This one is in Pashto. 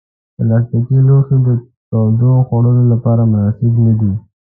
پلاستيکي لوښي د تودو خوړو لپاره مناسب نه دي.